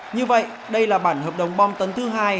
như vậy đây là bản hợp đồng bom tấn thứ hai